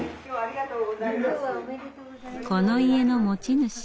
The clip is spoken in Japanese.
この家の持ち主